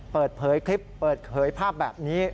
เปิดเผยคลิปเปิดเผยภาพแบบนี้